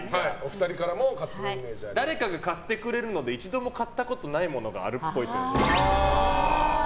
誰かが買ってくれるので一度も買ったことのないものがあるっぽい。